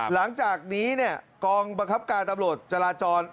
หลังจากนี้เนี่ยกองบังคับการตำรวจจราจร